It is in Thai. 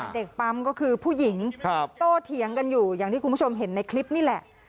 เด็กปั๊มก็คือผู้หญิงโตเถียงกันอยู่อย่างที่คุณผู้ชมเห็นในคลิปนี่แหละ